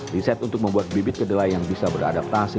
riset untuk membuat bibit kedelai yang bisa beradaptasi